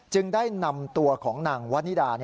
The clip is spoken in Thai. ได้นำตัวของนางวันนิดา